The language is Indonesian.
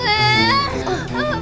bu bangun bu